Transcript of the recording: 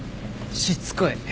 しつこい。